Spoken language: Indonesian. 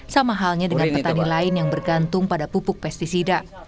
sama halnya dengan petani lain yang bergantung pada pupuk pesticida